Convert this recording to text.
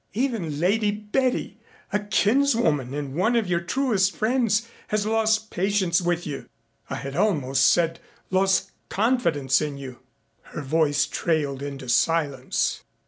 Even Lady Betty, a kinswoman and one of your truest friends, has lost patience with you I had almost said lost confidence in you." Her voice trailed into silence.